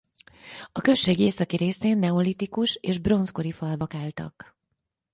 A község északi részén neolitikus és bronzkori falvak álltak.